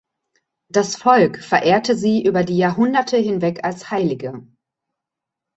Das Volk verehrte sie über die Jahrhunderte hinweg als Heilige.